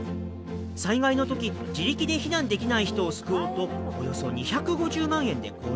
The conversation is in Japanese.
災害の時自力で避難できない人を救おうとおよそ２５０万円で購入。